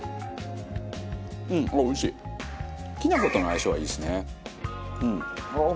きなことの相性はいいですね。